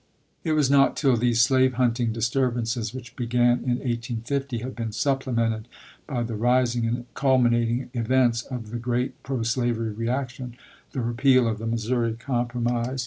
It was not till these slave hunting disturbances, which began in 1850, had been supplemented by the rising and culminating events of the great pro slavery reac tion — the repeal of the Missouri Compromise, the Chap.